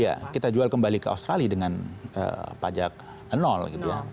iya kita jual kembali ke australia dengan pajak nol gitu ya